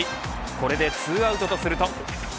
これで２アウトとすると。